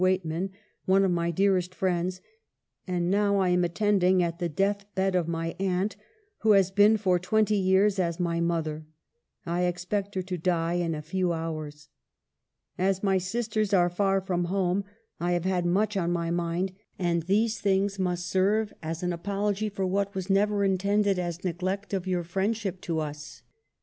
Weightman, one of my dearest friends, and now I am attending at the death bed of my Aunt, who has been for twenty years as my mother. I expect her to die in a few hours. "As my sisters are far from home, I have had much on my mind, and these thiags must serve as an apology for what was never intended as neglect of your friendship to us.